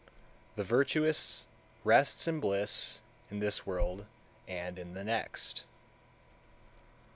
The virtuous rests in bliss in this world and in the next.